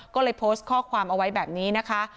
ก็เลยโพสต์ข้อความเอาไว้แบบนี้นะคะ